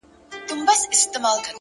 هوښیار فکر د راتلونکي بنسټ جوړوي